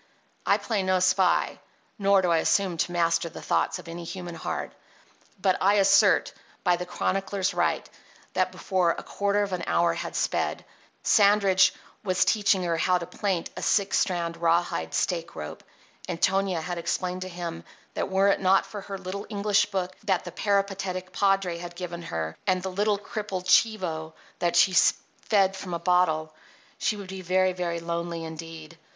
I play no spy; nor do I assume to master the thoughts of any human heart; but I assert, by the chronicler's right, that before a quarter of an hour had sped, Sandridge was teaching her how to plaint a six strand rawhide stake rope, and Tonia had explained to him that were it not for her little English book that the peripatetic padre had given her and the little crippled chivo, that she fed from a bottle, she would be very, very lonely indeed.